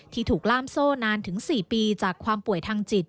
ถูกล่ามโซ่นานถึง๔ปีจากความป่วยทางจิต